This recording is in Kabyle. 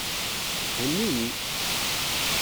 Henni-iyi!